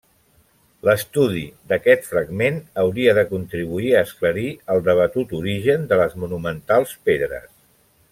L'estudi d'aquest fragment hauria de contribuir a esclarir el debatut origen de les monumentals pedres.